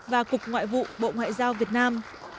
và cục ngoại vụ bộ ngoại giao việt nam